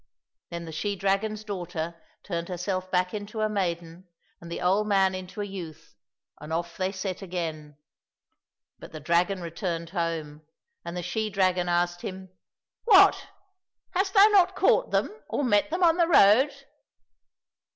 Then the she dragon's daughter turned her self back into a maiden and the old man into a youth, and off they set again. But the dragon returned home, and the she dragon asked him, " What ! hast thou not caught them or met them on the road ?